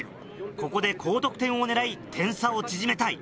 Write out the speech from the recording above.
ここで高得点を狙い点差を縮めたい。